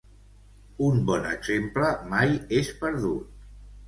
Un bon exemple mai és perdut.